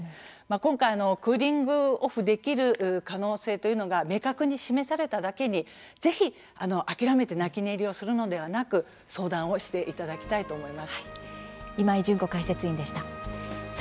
今回、クーリング・オフできる可能性というのが明確に示されただけにぜひ諦めて泣き寝入りをするのではなく相談していただきたいと思います。